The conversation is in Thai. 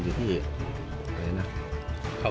ตอนนี้เจออะไรบ้างครับ